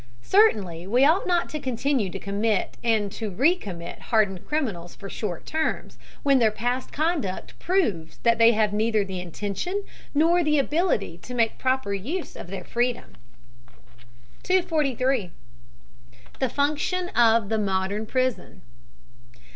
Certainly we ought not to continue to commit and to re commit hardened criminals for short terms, when their past conduct proves that they have neither the intention nor the ability to make proper use of their freedom. 243. THE FUNCTION OF THE MODERN PRISON.